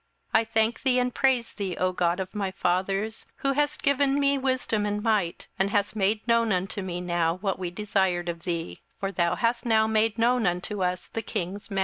27:002:023 I thank thee, and praise thee, O thou God of my fathers, who hast given me wisdom and might, and hast made known unto me now what we desired of thee: for thou hast now made known unto us the king's matter.